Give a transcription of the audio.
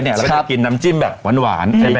เราก็จะกินน้ำจิ้มแบบหวาน